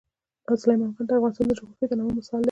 سلیمان غر د افغانستان د جغرافیوي تنوع مثال دی.